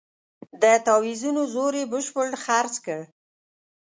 د تاویزونو زور یې بشپړ خرڅ کړ.